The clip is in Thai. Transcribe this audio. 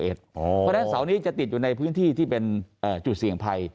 เพราะฉะนั้นเสาร์นี้จะติดอยู่ในพื้นที่ที่เป็นจุดเสี่ยงภัย